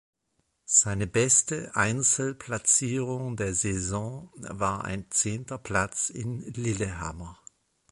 Seine beste Einzelplatzierung der Saison war ein zehnter Platz in Lillehammer.